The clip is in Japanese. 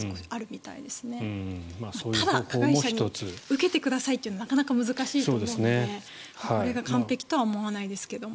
ただ、加害者に受けてくださいというのはなかなか難しいと思うのでこれが完璧とは思わないですけども。